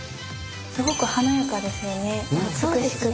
すごく華やかですよね美しくて。